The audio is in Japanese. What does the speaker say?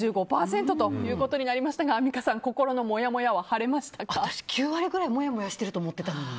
６５％ということになりましたがアンミカさん、心のもやもやは私、９割くらいもやもやしてると思ってたけど。